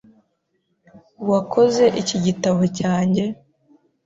Wakoze iki igitabo cyanjye?